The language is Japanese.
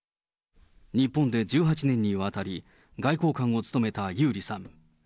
日本で１８年にわたり、外交官を務めたユーリさん。